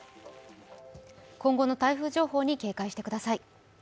今後の台風情報に警戒してください。